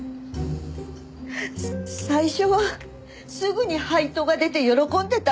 最初はすぐに配当が出て喜んでたんです。